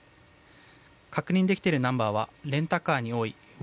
確認できているナンバーはレンタカーに多い「わ」